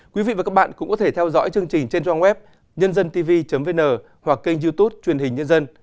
quý vị và các bạn cũng có thể theo dõi chương trình trên trang web nhândântv vn hoặc kênh youtube truyền hình nhân dân